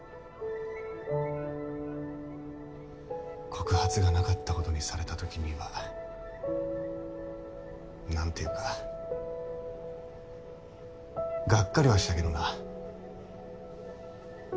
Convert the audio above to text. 告発が無かったことにされた時にはなんて言うかガッカリはしたけどな。